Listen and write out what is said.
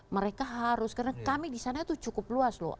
mereka harus karena kami disana itu cukup luas loh